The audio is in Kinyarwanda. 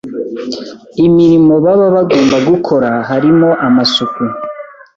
imirimo baba bagomba gukora harimo amasuku,